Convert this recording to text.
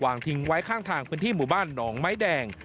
ทิ้งไว้ข้างทางพื้นที่หมู่บ้านหนองไม้แดง